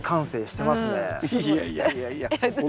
いやいやいやいや。